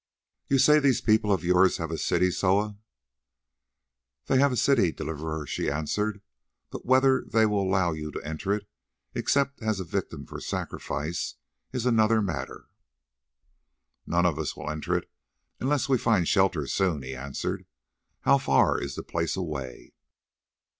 "You say these people of yours have a city, Soa?" "They have a city, Deliverer," she answered, "but whether they will allow you to enter it, except as a victim for sacrifice, is another matter." "None of us will enter it unless we find shelter soon," he answered. "How far is the place away?"